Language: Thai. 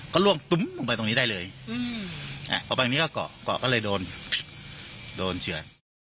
ก็ล่วงตุ้มลงไปตรงนี้ได้เลยออกไปตรงนี้ก็เกาะเกาะก็เลยโดนโดนเฉือน